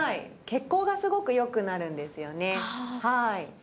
血行がすごくよくなるんですよね。